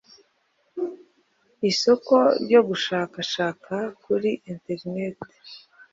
isoko ryo gushakashaka kuri interineti